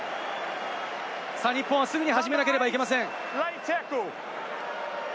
日本はすぐに始めなければいけません。